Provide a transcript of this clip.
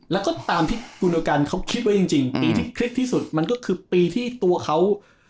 แล้วก็ตามที่กุณกันเขาคิดไว้จริงปีที่คลิกที่สุดมันก็คือปีที่ตัวเขา